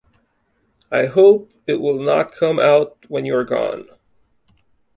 I hope it will not come out when you are gone!